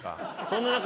そんな中。